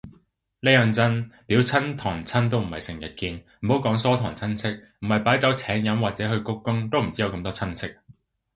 呢樣真，表親堂親都唔係成日見，唔好講疏堂親戚，唔係擺酒請飲或者去鞠躬都唔知有咁多親戚